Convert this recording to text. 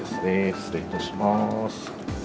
失礼いたします。